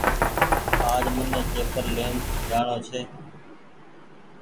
آج مني چيپل لين جآڻو ڇي